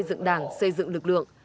dựng đảng xây dựng lực lượng